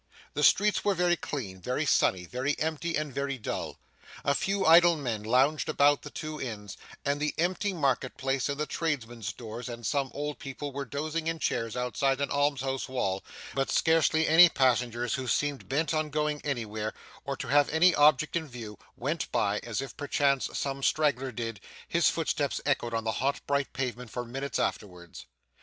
The streets were very clean, very sunny, very empty, and very dull. A few idle men lounged about the two inns, and the empty market place, and the tradesmen's doors, and some old people were dozing in chairs outside an alms house wall; but scarcely any passengers who seemed bent on going anywhere, or to have any object in view, went by; and if perchance some straggler did, his footsteps echoed on the hot bright pavement for minutes afterwards.